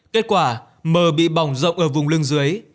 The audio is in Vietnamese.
kết quả mờ bị bỏng rộng ở vùng lưng dưới